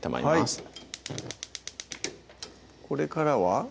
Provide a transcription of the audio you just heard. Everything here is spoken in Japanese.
はいこれからは？